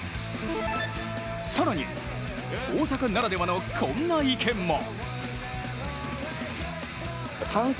更に、大阪ならではのこんな意見も。